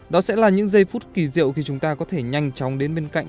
đó sẽ là những giây phút kỳ diệu khi chúng ta có thể nhanh chóng đến bên cạnh